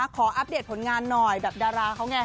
อัปเดตผลงานหน่อยแบบดาราเขาไง